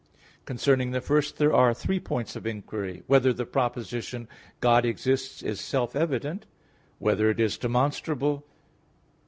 Concerning the first, there are three points of inquiry: (1) Whether the proposition "God exists" is self evident? (2) Whether it is demonstrable?